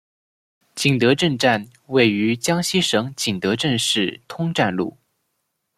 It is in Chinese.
景德镇站位于江西省景德镇市通站路。